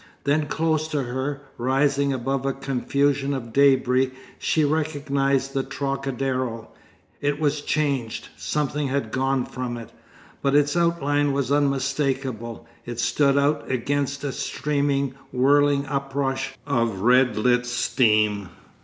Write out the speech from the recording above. Then close to her, rising above a confusion of débris, she recognised the Trocadero; it was changed, something had gone from it, but its outline was unmistakable. It stood out against a streaming, whirling uprush of red lit steam.